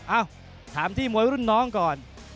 เอ้าถามที่มวยรุ่นน้องก่อน